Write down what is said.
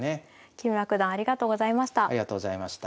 木村九段ありがとうございました。